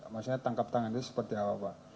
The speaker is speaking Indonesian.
maksudnya tangkap tangan itu seperti apa pak